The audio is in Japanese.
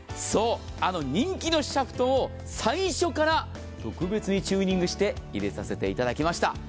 そうあの人気のシャフトを最初から特別にチューニングして入れさせて頂きました。